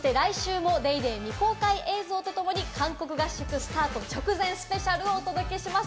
そして来週も『ＤａｙＤａｙ．』未公開映像とともに韓国合宿スタート直前スペシャルをお届けします。